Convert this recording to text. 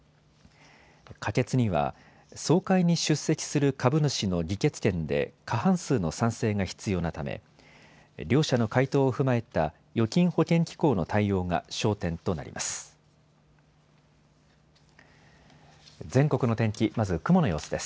可決には総会に出席する株主の議決権で過半数の賛成が必要なため両社の回答を踏まえた預金保険機構の対応が焦点となります。